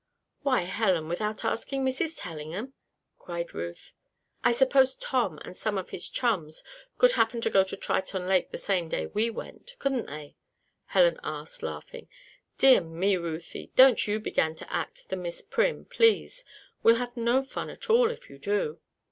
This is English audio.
"Why, Helen; without asking Mrs. Tellingham?" cried Ruth. "I suppose Tom and some of his chums could happen to go to Triton Lake the same day we went; couldn't they?" Helen asked, laughing. "Dear me, Ruthie! Don't you begin to act the Miss Prim please! We'll have no fun at all if you do."